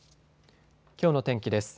きょうの天気です。